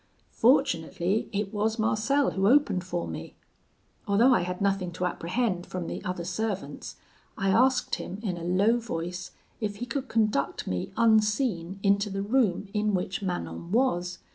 Fortunately it was Marcel who opened for me. Although I had nothing to apprehend from the other servants, I asked him in a low voice if he could conduct me unseen into the room in which Manon was.